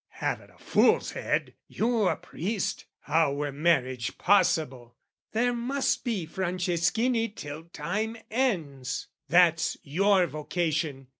"Have at a fool's head! "You a priest? How were marriage possible? "There must be Franceschini till time ends "That's your vocation.